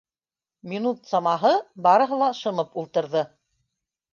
Минут самаһы барыһы ла шымып ултырҙы.